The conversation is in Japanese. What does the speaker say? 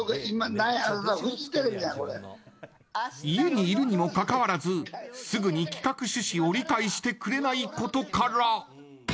家にいるにもかかわらずすぐに企画趣旨を理解してくれないことから。